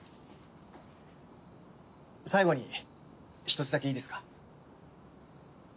最後に１つだけいいですか？